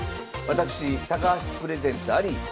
私高橋プレゼンツあり